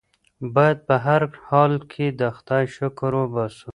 بايد په هر حال کې د خدای شکر وباسو.